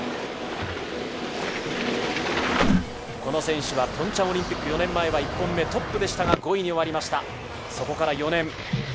この選手はピョンチャンオリンピック、４年前、１回目はトップでしたが、５位に終わりました、そこから４年。